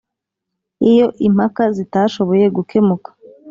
Iyo impaka zitashoboye gukemuka